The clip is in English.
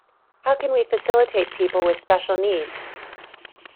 How can we facilitate people with special needs?